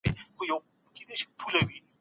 ښه فکر ښه پايله راولي